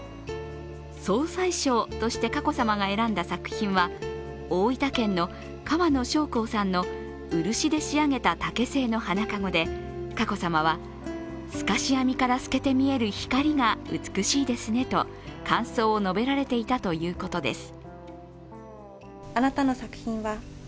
総裁賞として佳子さまが選んだ作品は大分県の河野祥篁さんの漆で仕上げた竹製の花籠で佳子さまは、透かし編みから透けて見える光が美しいですねと感想を述べられていたということです。